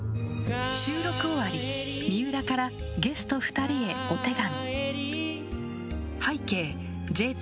収録終わり、水卜からゲスト２人へお手紙。